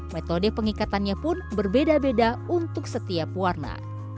metode pengikatannya pun berbeda beda untuk setiap warna